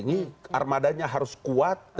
jadi armadanya harus kuat